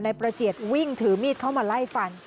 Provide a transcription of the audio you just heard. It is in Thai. ประเจียดวิ่งถือมีดเข้ามาไล่ฟัน